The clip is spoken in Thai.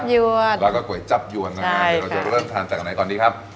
จับยวดแล้วก็ก๋วยจับยวดนะครับเดี๋ยวเราจะเริ่มทานจากไหนก่อนดีครับ